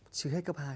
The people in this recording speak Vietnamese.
chưa hết cấp hai